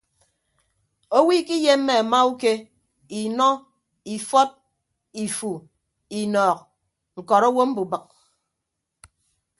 Owo ikiyemme amauke inọ ifọt ifu inọọk ñkọrọ owo mbubịk.